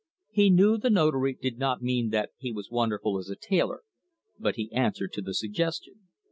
He knew the Notary did not mean that he was wonderful as a tailor, but he answered to the suggestion.